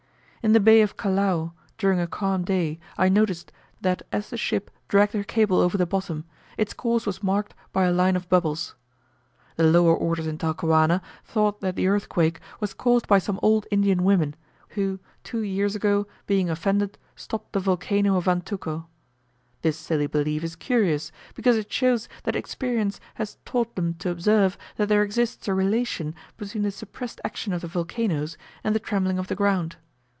In the Bay of Callao, during a calm day, I noticed, that as the ship dragged her cable over the bottom, its course was marked by a line of bubbles. The lower orders in Talcahuano thought that the earthquake was caused by some old Indian women, who two years ago, being offended, stopped the volcano of Antuco. This silly belief is curious, because it shows that experience has taught them to observe, that there exists a relation between the suppressed action of the volcanos, and the trembling of the ground.